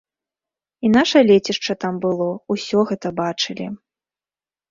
І наша лецішча там было, усё гэта бачылі.